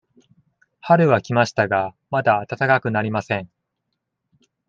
春は来ましたが、まだ暖かくなりません。